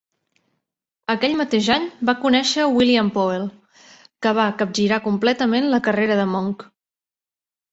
Aquell mateix any va conèixer William Poel, que va capgirar completament la carrera de Monck.